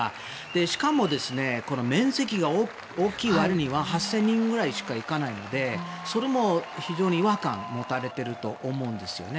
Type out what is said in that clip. しかも、面積が大きいわりには８０００人ぐらいしか行かないのでそれも非常に違和感を持たれていると思うんですよね。